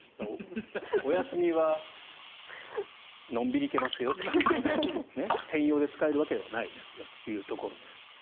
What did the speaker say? お休みはのんびり行けますよと専用で使えるわけではないですがというところです。